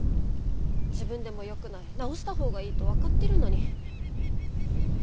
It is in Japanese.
自分でもよくない直した方がいいと分かってるのに。